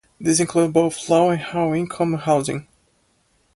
These include both low and high income housing.